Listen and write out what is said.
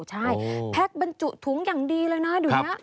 ใช่แพ็คบรรจุถุงอย่างดีเลยนะเดี๋ยวนี้